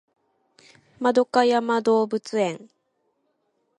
円山動物園